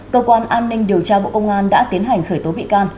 cơ quan an ninh điều tra bộ công an đã tiến hành khởi tố bị can